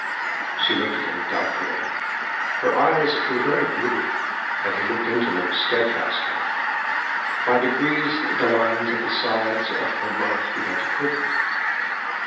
She looked at him doubtfully. Her eyes were very blue and he looked into them steadfastly. By degrees the lines at the sides of her mouth began to quiver.